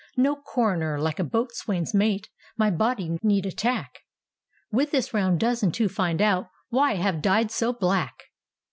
No coroner, like a boatswain's mate, My body need attack, With his round dozen to find out Why I have died so black.